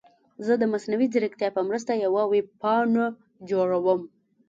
زه د مصنوعي ځیرکتیا په مرسته یوه ویب پاڼه جوړوم.